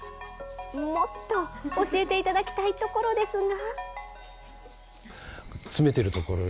もっと教えていただきたいところですが。